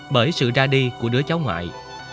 bởi sự ra đi của đứa cháu ngoại